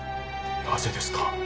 なぜですか？